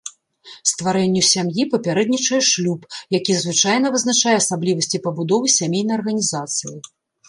Стварэнню сям'і папярэднічае шлюб, які звычайна вызначае асаблівасці пабудовы сямейнай арганізацыі.